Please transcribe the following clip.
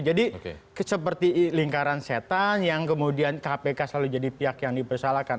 jadi seperti lingkaran setan yang kemudian kpk selalu jadi pihak yang dipersalahkan